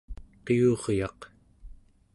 qiuryaq